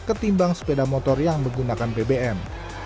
ketimbang sepeda motor yang menggunakan bbm